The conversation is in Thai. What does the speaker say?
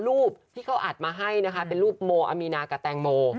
รูปที่เขาอัดมาให้นะคะเป็นรูปโมอามีนากับแตงโม